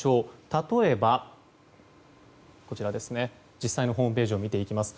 例えば、実際のホームページを見ていきます。